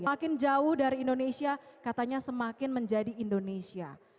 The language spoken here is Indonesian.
makin jauh dari indonesia katanya semakin menjadi indonesia